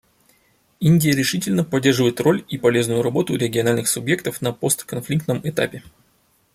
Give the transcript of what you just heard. Индия решительно поддерживает роль и полезную работу региональных субъектов на постконфликтном этапе.